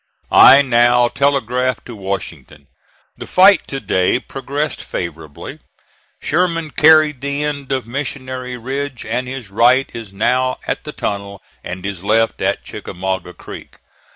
I now telegraphed to Washington: "The fight to day progressed favorably. Sherman carried the end of Missionary Ridge, and his right is now at the tunnel, and his left at Chickamauga Creek.